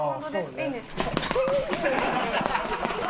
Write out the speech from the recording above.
いいんですか？